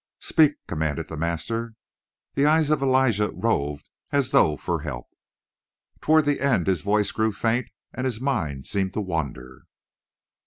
"Speak!" commanded the master. The eyes of Elijah roved as though for help. "Toward the end his voice grew faint and his mind seemed to wander."